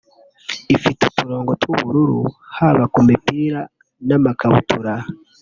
ifite uturongo tw’ubururu haba ku mipira n’amakabutura